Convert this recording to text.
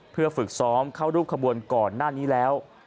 เพื่อฝึกซ้อมเข้ารูปขบวนก่อนหน้านี้แล้ว